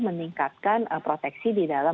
meningkatkan proteksi di dalam